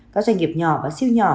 các doanh nghiệp nhỏ và siêu nhỏ